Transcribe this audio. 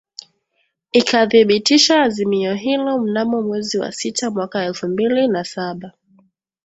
ikathibitisha azimio hili mnamo mwezi wa sita mwaka elfu mbili na saba